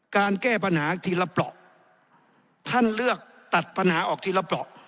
แก้ปัญหาทีละเปราะท่านเลือกตัดปัญหาออกทีละเปราะ